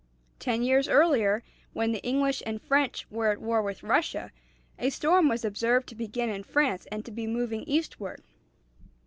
Ten years earlier, when the English and French were at war with Russia, a storm was observed to begin in France and to be moving eastward.